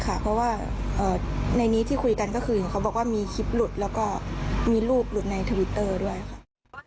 เพราะว่าในนี้ที่คุยกันก็คือเขาบอกว่ามีคลิปหลุดแล้วก็มีรูปหลุดในทวิตเตอร์ด้วยค่ะ